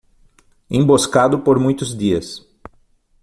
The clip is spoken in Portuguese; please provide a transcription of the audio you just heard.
Emboscado por muitos dias